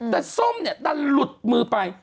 แต่ส้มนี่ต้าลุดมือไป